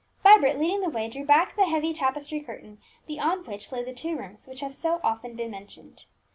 Vibert, leading the way, drew back the heavy tapestry curtain, beyond which lay the two rooms which have so often been mentioned.